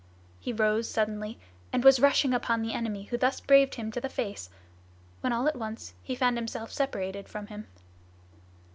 He rose suddenly, and was rushing upon the enemy who thus braved him to the face, when all at once he found himself separated from him.